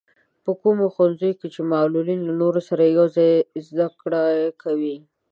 په کومو ښوونځیو کې چې معلولين له نورو سره يوځای زده کړې کوي.